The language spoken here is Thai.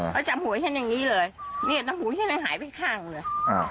เขาจับหัวฉันอย่างนี้เลยเนี่ยหูฉันเลยหายไปข้างเลย